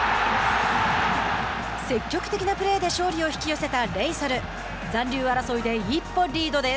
積極的なプレーで勝利を引き寄せたレイソル。